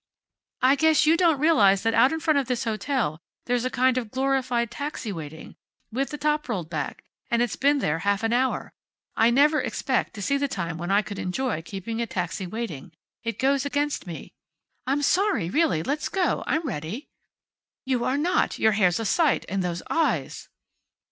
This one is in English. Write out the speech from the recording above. "I guess you don't realize that out in front of this hotel there's a kind of a glorified taxi waiting, with the top rolled back, and it's been there half an hour. I never expect to see the time when I could enjoy keeping a taxi waiting. It goes against me." "I'm sorry. Really. Let's go. I'm ready." "You are not. Your hair's a sight; and those eyes!"